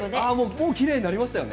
もう、きれいになりましたよね。